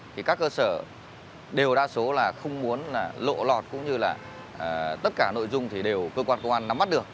thì các cơ sở đều đa số là không muốn lộ lọt cũng như là tất cả nội dung thì đều cơ quan công an nắm mắt được